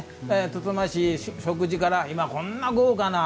つつましい食事からこんな豪華な。